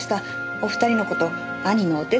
お二人の事兄のお手伝いだなんて。